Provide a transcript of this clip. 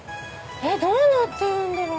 どうなってるんだろう？